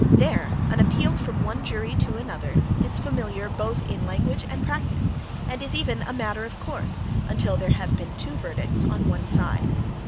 There an appeal from one jury to another, is familiar both in language and practice, and is even a matter of course, until there have been two verdicts on one side.